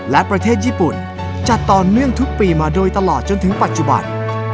และประเทศญี่ปุ่นจัดต่อเนื่องทุกปีมาโดยตลอดจนถึงปัจจุบัน